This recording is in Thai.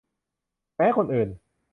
แม้คนอื่น